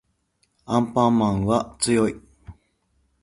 アンパンマンは強い